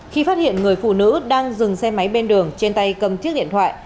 khi phát hiện người phụ nữ đang dừng xe máy bên đường trên tay cầm chiếc điện thoại